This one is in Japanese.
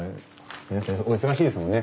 皆さんお忙しいですもんね。